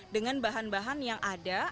dengan bahan bahan yang ada